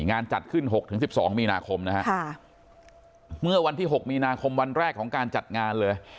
งานจัดขึ้น๖๑๒มีนาคมนะฮะเมื่อวันที่๖มีนาคมวันแรกของการจัดงานเลย